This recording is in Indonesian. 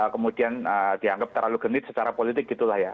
kemudian dianggap terlalu genit secara politik gitu lah ya